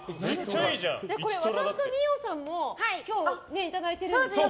これ、私と二葉さんも今日いただいてるんですよね。